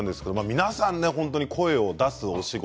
皆さん声を出すお仕事